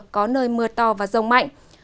có nơi mưa to và rông mạnh